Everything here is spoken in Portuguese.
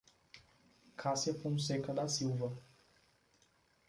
Cassia Fonseca da Silva